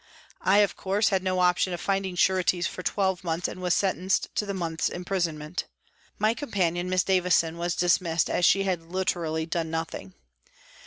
I, of course, had no option of finding sureties for twelve months, and was sentenced to the month's imprisonment. My companion, Miss Davison, was dismissed, as she had literally done nothing.